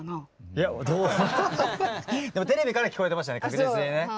いやどうでもテレビからは聞こえてましたね確実にね。